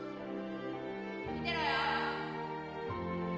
見てろよ！